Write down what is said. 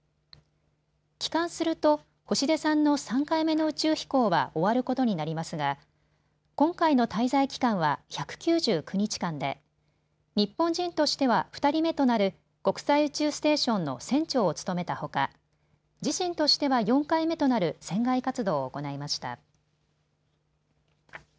帰還すると星出さんの３回目の宇宙飛行は終わることになりますが今回の滞在期間は１９９日間で日本人としては２人目となる国際宇宙ステーションの船長を務めたほか自身としては４回目となる船外活動を行いました。